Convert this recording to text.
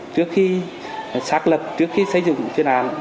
trước khi xác lập trước khi xây dựng chuyên án